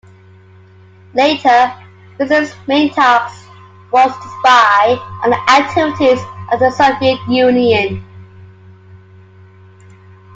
Later, Wisner's main task was to spy on the activities of the Soviet Union.